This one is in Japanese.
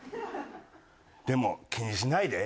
でも気にしないで。